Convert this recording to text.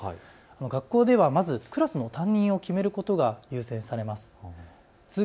学校ではまずクラスの担任を決めることが優先されます。